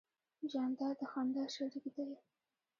جانداد د خندا شریک دی.